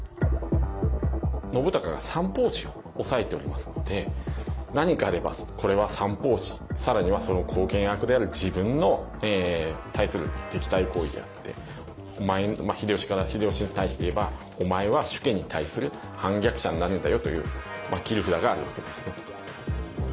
信孝が三法師を抑えておりますので何かあればこれは三法師更にはその後見役である自分の対する敵対行為であって秀吉に対して言えばお前は主家に対する反逆者になるんだよという切り札があるわけですね。